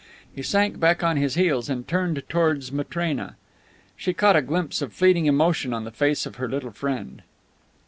He sank back on his heels and turned toward Matrena. She caught a glimpse of fleeting emotion on the face of her little friend.